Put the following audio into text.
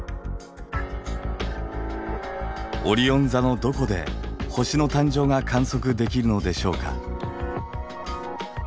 オリオン座のどこで星の誕生が観測できるのでしょうか。